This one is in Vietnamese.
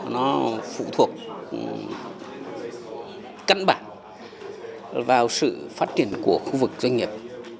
nó phụ thuộc căn bản vào sự phát triển của khu vực doanh nghiệp